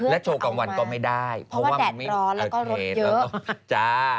แล้วโชว์กลางวันก็ไม่ได้เพราะว่าแดดร้อนแล้วก็รถเยอะอ๋อโอเคจ้า